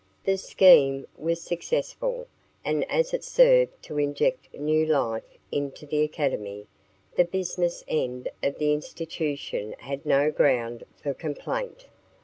The scheme was successful, and as it served to inject new life into the academy, the business end of the institution had no ground for complaint.